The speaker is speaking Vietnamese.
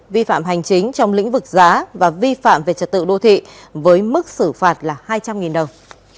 vi phạm hành chính trong lĩnh vực giá và vi phạm về trật tự đô thị với mức xử phạt là hai trăm linh đồng